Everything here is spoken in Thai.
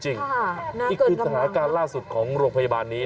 ค่ะน่าเกินกับมากอีกคือสถานการณ์ล่าสุดของโรงพยาบาลนี้